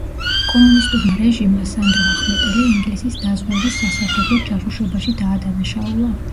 კომუნისტურმა რეჟიმმა სანდრო ახმეტელი ინგლისის დაზვერვის სასარგებლოდ ჯაშუშობაში დაადანაშაულა.